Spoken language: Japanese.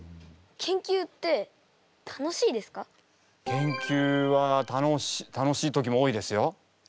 研究は楽しい時も多いですよ。